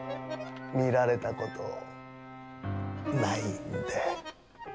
見られたことないんで。